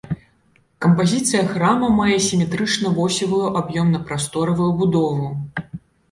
Кампазіцыя храма мае сіметрычна-восевую аб'ёмна-прасторавую будову.